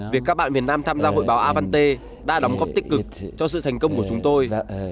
việc các bạn việt nam tham gia hội báo avante đã đóng góp tích cực cho sự thành công của chúng tôi